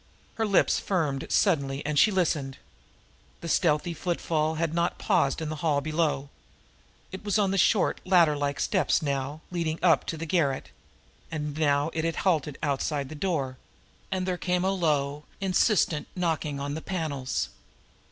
Her lips firmed suddenly, as she listened. The stealthy footfall had not paused in the hall below. It was on the short, ladder like steps now, leading up here to the garret and now it had halted outside her door, and there came a low, insistent knocking on the panels.